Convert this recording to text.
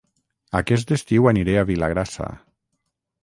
Aquest estiu aniré a Vilagrassa